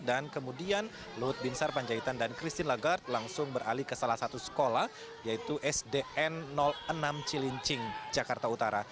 dan kemudian luhut bin sarpanjaitan dan christine lagarde langsung beralih ke salah satu sekolah yaitu sdn enam cilincing jakarta utara